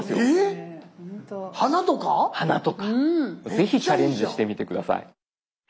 是非チャレンジしてみて下さい。